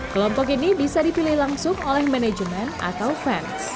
kelompok ini bisa dipilih langsung oleh manajer